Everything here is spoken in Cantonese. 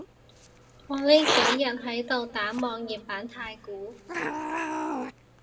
我呢幾日喺度打網頁版太鼓